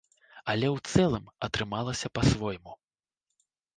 Але ў цэлым, атрымалася па-свойму.